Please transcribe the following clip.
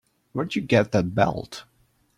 Where'd you get that belt?